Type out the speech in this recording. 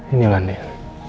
ini lah den